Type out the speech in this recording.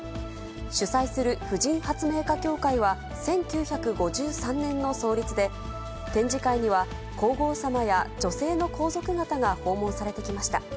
主催する婦人発明家協会は１９５３年の創立で、展示会には、皇后さまや女性の皇族方が訪問されてきました。